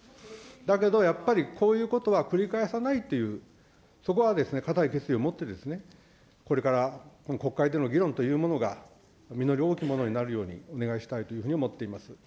だけどやっぱり、こういうことは繰り返さないという、そこは、固い決意をもってですね、これから国会での議論というものが実り多きものになるように、お願いしたいというふうに思っています。